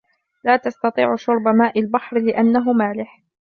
لا تستطيع شرب ماء البحر لأنه مالح.